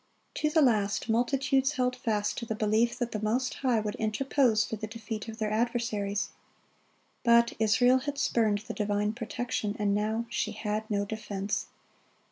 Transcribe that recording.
To the last, multitudes held fast to the belief that the Most High would interpose for the defeat of their adversaries. But Israel had spurned the divine protection, and now she had no defense.